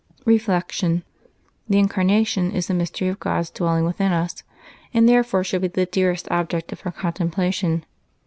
Reflection. — The Incarnation is the mystery of God's dwelling within us, and therefore should be the dearest object of our contemplation.